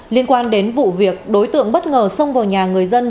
liên quan đến vụ việc đối tượng bất ngờ xông vào nhà người dân